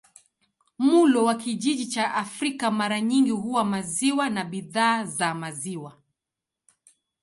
Mlo wa kijiji cha Afrika mara nyingi huwa maziwa na bidhaa za maziwa.